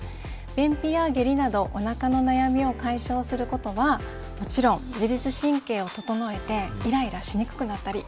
便秘や下痢などおなかの悩みを解消することはもちろん自律神経を整えてイライラしにくくなったり。